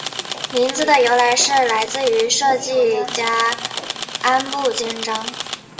名字的由来是来自于设计家安部兼章。